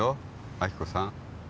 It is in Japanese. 亜希子さん